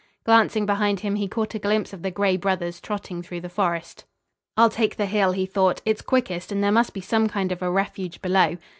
Glancing behind him, he caught a glimpse of the gray brothers trotting through the forest. "I'll take the hill," he thought. "It's quickest and there must be some kind of a refuge below."